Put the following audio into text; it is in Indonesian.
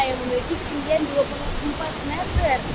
yang memiliki ketinggian dua puluh empat meter